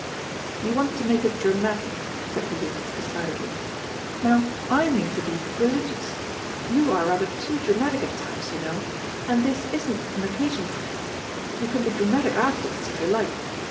"You want to make it dramatic," said Edith decidedly. "Now, I mean to be religious. You are rather too dramatic at times, you know, and this isn't an occasion for it. You can be dramatic afterwards, if you like.